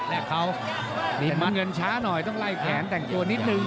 แรกเขาเปลี่ยนมาเงินช้าหน่อยต้องไล่แขนแต่งตัวนิดนึง